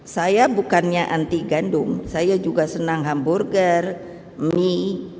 saya bukannya anti gandum saya juga senang hamburger mie